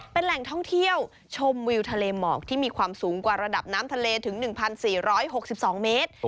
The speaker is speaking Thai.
เป็นแหล่งท่องเที่ยวชมวิวทะเลหมอกที่มีความสูงกว่าระดับน้ำทะเลถึง๑๔๖๒เมตร